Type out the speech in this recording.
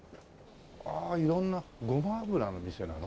ああ色んなゴマ油の店なの？